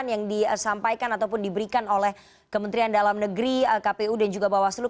yang disampaikan ataupun diberikan oleh kementerian dalam negeri kpu dan juga bawaslu